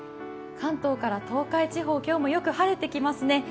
関東から東海地方、今日もよく晴れてきますね。